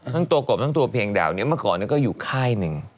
ทั้งตัวกบทั้งตัวเพลงดาวนี้เมื่อก่อนก็อยู่ค่ายหนึ่ง